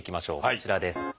こちらです。